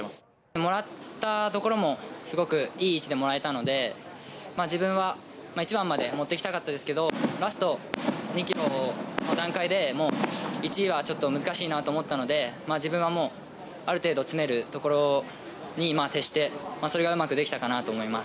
もらったところも、すごくいい位置でもらえたので、自分は１番まで持って行きたかったですけど、ラスト２ｋｍの段階で１位はちょっと難しいなと思ったので、自分はある程度詰めるところに徹して、それがうまくできたかなと思います。